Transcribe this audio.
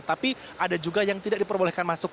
tapi ada juga yang tidak diperbolehkan masuk